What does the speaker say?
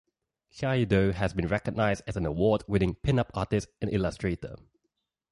Chiodo has been recognized as an award-winning pin-up artist and illustrator.